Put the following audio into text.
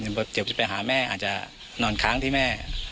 เดี๋ยวจะไปหาแม่อาจจะนอนค้างที่แม่